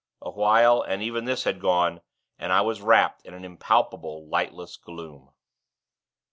A while, and even this had gone, and I was wrapped in an impalpable, lightless gloom.